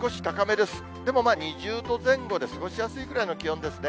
でも、２０度前後で過ごしやすいくらいの気温ですね。